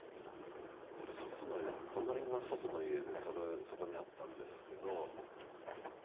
祖父の隣が祖父の家でそこにあったんですけど。